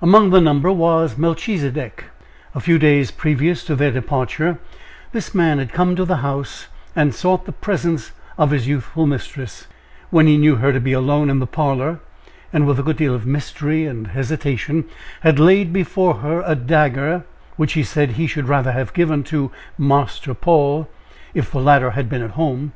Among the number was Melchisedek. A few days previous to their departure, this man had come to the house, and sought the presence of his youthful mistress, when he knew her to be alone in the parlor, and with a good deal of mystery and hesitation had laid before her a dagger which he said he should rather have given to "Marster Paul," if the latter had been at home.